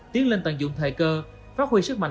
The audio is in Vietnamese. tiến lên tận dụng thời cơ phát huy sức mạnh